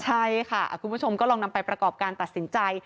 ใช่ค่ะคุณผู้ชมก็ลองนำไปประกอบการตัดสินใจ